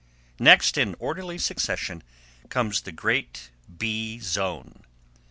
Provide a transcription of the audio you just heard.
Next, in orderly succession, comes the great bee zone.